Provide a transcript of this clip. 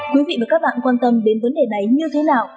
quý vị và các bạn quan tâm đến vấn đề này như thế nào